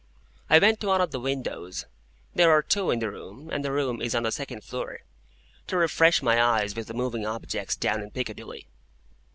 I went to one of the windows (there are two in the room, and the room is on the second floor) to refresh my eyes with the moving objects down in Piccadilly.